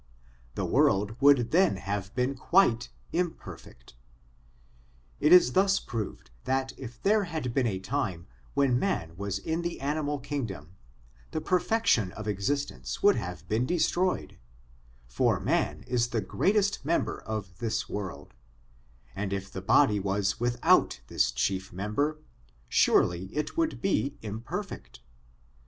The world would then have been quite imperfect. It is thus proved that if there had been a time when man was in the animal kingdom, the perfection of existence would have been destroyed ; for man is the greatest member of this world, and if the body was without this chief member, surely it would be imperfect.